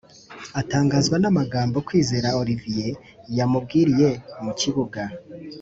atangazwa n’amagambo Kwizera Olivier yamubwiriye mu kibuga.